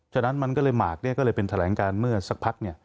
ฉะนั้นมันก็เลยหมากก็เลยเป็นแถลงการเมื่อสักพัก